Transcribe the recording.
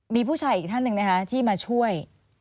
มีผู้ชายอีกท่านหนึ่งนะคะที่มาช่วย